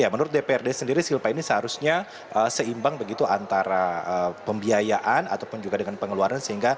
menurut dprd sendiri silpa ini seharusnya seimbang begitu antara pembiayaan ataupun juga dengan pengeluaran